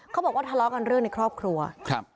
เขาบอกว่าทะเลาะกันเรื่องในครอบครัวครับ